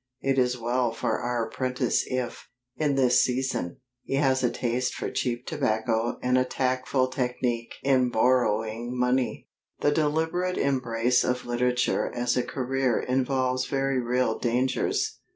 It is well for our apprentice if, in this season, he has a taste for cheap tobacco and a tactful technique in borrowing money. The deliberate embrace of literature as a career involves very real dangers.